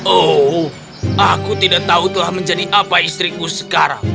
oh aku tidak tahu telah menjadi apa istriku sekarang